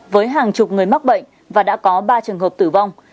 với hàng chục người mắc bệnh và đã có ba trường hợp tử vong